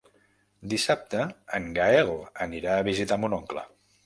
Dissabte en Gaël anirà a visitar mon oncle.